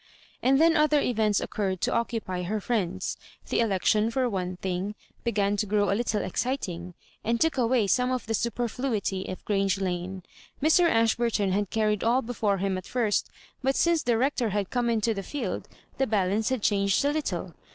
And then other events ooonrred to occupy her friends ; the election for one thing, began to grow a little exciting, and took away some <^ the superfluity of G range Lana Mr. Ashbur ton had carried all before him at first ; but since the Bector had come into the field, the balance had changed a little.